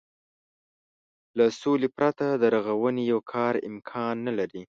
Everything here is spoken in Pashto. له سولې پرته د رغونې يو کار امکان نه لري.